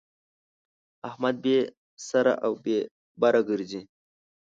احمد بې سره او بې بره ګرځي.